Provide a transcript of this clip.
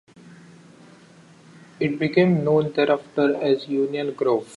It became known thereafter as Union Grove.